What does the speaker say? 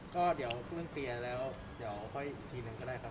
ก็เดี๋ยาร่างเตียร์แล้วพออีกทีหนึ่งก็ได้ครับผม